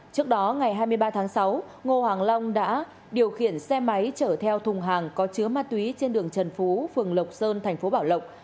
trước đó ngày hai mươi ba tháng sáu ngô hoàng long đã điều khiển xe máy chở theo thùng hàng có chứa ma túy trên đường trần phú phường lộc sơn thành phố bảo lộc